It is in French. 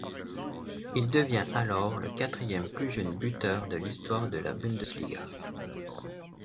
Il devient alors le quatrième plus jeune buteur de l'histoire de la Bundesliga.